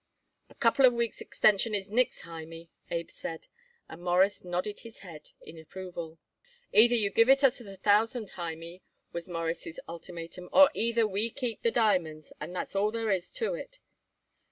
"A couple of weeks' extension is nix, Hymie," Abe said, and Morris nodded his head in approval. "Either you give it us the thousand, Hymie," was Morris' ultimatum, "or either we keep the diamonds, and that's all there is to it."